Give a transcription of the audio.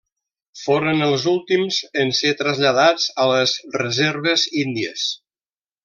Foren els últims en ser traslladats a les reserves índies.